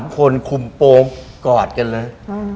๓คนคุมโปรงกอดกันเลย